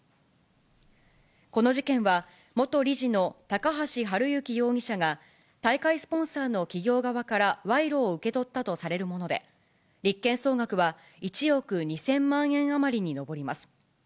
この事件は、元理事の高橋治之容疑者が、大会スポンサーの企業側から賄賂を受け取ったとされるもので、立件総額は１億２０００万円余りに上ります。